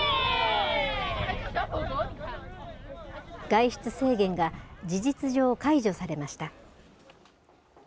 外出制限が事実上解除されました。